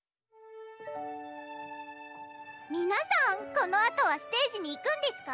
皆さんこのあとはステージに行くんですか？